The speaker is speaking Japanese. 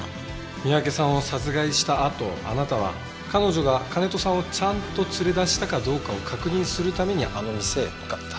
三宅さんを殺害したあとあなたは彼女が金戸さんをちゃんと連れ出したかどうかを確認するためにあの店へ向かった。